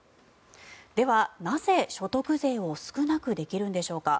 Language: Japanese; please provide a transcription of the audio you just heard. では、なぜ所得税を少なくできるんでしょうか。